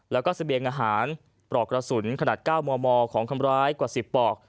แล้วก็เสบียงอาหารปลอกกระสุนขนาด๙มมของคำร้ายกว่า๑๐ปลอก